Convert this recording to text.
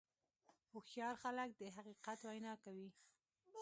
هوښیار خلک د حقیقت وینا کوي.